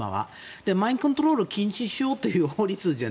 でも、マインドコントロールを禁止しようという法律です。